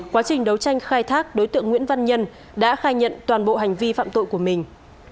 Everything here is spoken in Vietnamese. quá trình đấu tranh khai thác đối tượng nguyễn văn nhân đã khai nhận toàn bộ hành vi phạm tội của mình